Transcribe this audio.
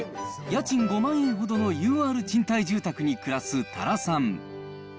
家賃５万円ほどのＵＲ賃貸住宅に暮らす多良さん。